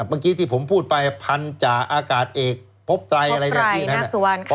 เมื่อกี้ที่ผมพูดไปพันจาอากาศเอกพบไตรอะไรอย่างนี้พบไตรนักสุวรรค์ค่ะ